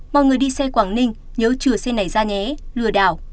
mọi người đi xe quảng ninh nhớ chừa xe này ra nhé lừa đảo